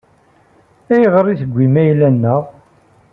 Ayɣer i tewwi ayla-nneɣ?